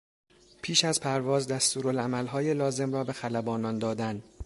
پیش از پرواز دستورالعملهای لازم را به خلبانان دادن